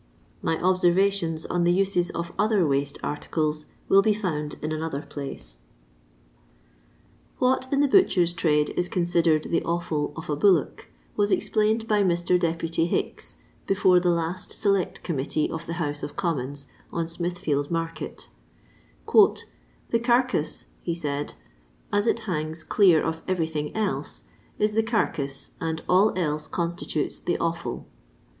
My observations on the uses of other waste articles will be found in another place. What in the butcher's trade is considered the offiil of a bullock, was explained by Mr. Deputy Hicks, before the last Select Committee of the House of Commons on Smithfield Market :" The carcass," he said, " as it hangs clear of everything else, is the carcass, and all else constitutes the oflW."